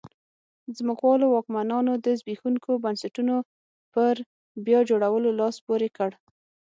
ځمکوالو واکمنانو د زبېښونکو بنسټونو پر بیا جوړولو لاس پورې کړ.